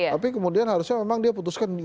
tapi kemudian memang dia harusnya putuskan